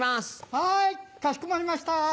はいかしこまりました。